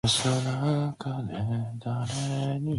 However, for civil matters they remained a single parish.